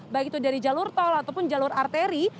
baik itu dari jalur tol ataupun jalur arteri